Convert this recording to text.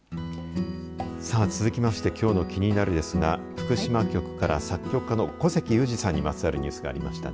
さあ、続きましてきょうのキニナル！ですが福島局から作曲家の古関裕而さんにまつわるニュースがありましたね。